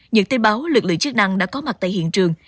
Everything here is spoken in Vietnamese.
những tin báo lực lượng chức năng đã có mặt tại hiện trường